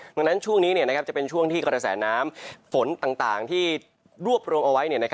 ดังนั้นช่วงนี้จะเป็นช่วงที่กระแสน้ำฝนต่างที่รวบรวมเอาไว้